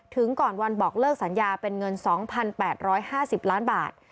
ถึงก่อนวันบอกเลิกสัญญาเป็นเงิน๒๘๕๐ล้านบาท